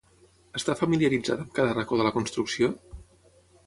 Està familiaritzada amb cada racó de la construcció?